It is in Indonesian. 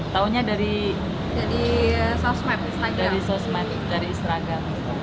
tahunya dari sosmed dari seragam